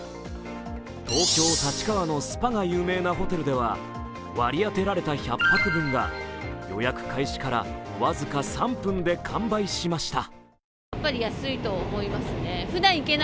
東京・立川のスパが有名なホテルでは割り当てられた１００泊分が予約開始から僅か３分で完売しました。